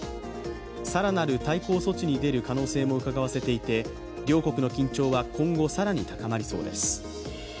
更なる対抗措置に出る可能性もうかがわせていて両国の緊張は今後、更に高まりそうです。